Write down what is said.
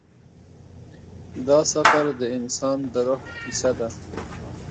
دا سفر د انسان د روح کیسه ده.